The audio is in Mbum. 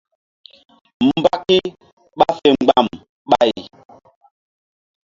Mbaki ɓa fe mgba̧m ɓay.